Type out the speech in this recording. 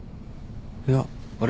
いやあれ？